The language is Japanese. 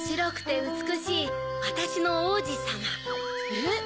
えっ？